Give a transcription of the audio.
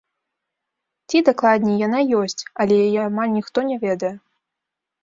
Ці, дакладней, яна ёсць, але яе амаль ніхто не ведае.